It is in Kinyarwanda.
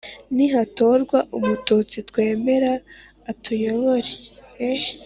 nihatorwa umututsi twemere atuyobore. eeee!